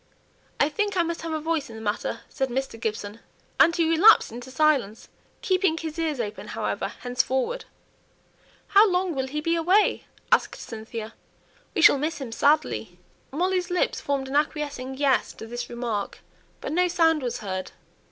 "I think I must have a voice in the matter," said Mr. Gibson; and he relapsed into silence, keeping his ears open, however, henceforward. "How long will he be away?" asked Cynthia. "We shall miss him sadly." Molly's lips formed an acquiescing "yes" to this remark, but no sound was heard.